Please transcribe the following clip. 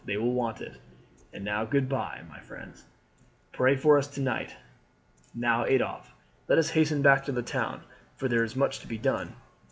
They will want it. And now good bye, my good friends! Pray for us to night. Now, Adolphe, let us hasten back to the town, for there is much to be done.